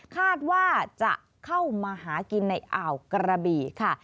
คาดว่าจะเข้ามาหากินในอ่าวกระบี่ค่ะ